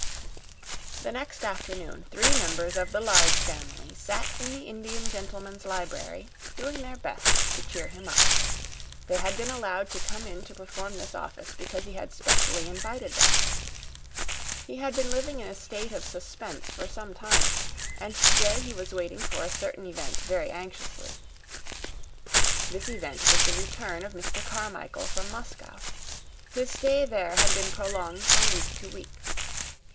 The next afternoon three members of the Large Family sat in the Indian gentleman's library, doing their best to cheer him up. They had been allowed to come in to perform this office because he had specially invited them. He had been living in a state of suspense for some time, and today he was waiting for a certain event very anxiously. This event was the return of Mr. Carmichael from Moscow. His stay there had been prolonged from week to week.